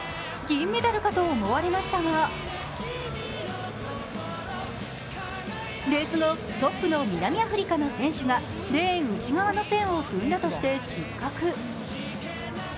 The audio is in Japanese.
銀メダルかと思われましたがレース後、トップの南アフリカの選手がレーン内側の線を踏んだとして失格。